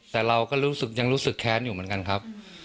แต่เราก็รู้สึกยังรู้สึกแค้นอยู่เหมือนกันครับ